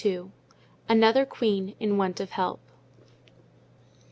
Another Queen in Want of Help.